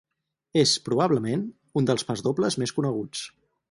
És, probablement, un dels pasdobles més coneguts.